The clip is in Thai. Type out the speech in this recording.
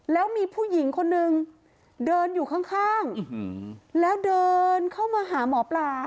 แล้วมีผู้หญิงคนนึงเดินอยู่ข้างแล้วเดินเข้ามาหาหมอปลา